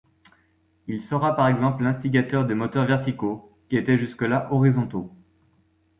Il sera par exemple l'instigateur des moteurs verticaux, qui étaient jusque-là horizontaux.